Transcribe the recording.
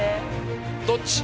どっち？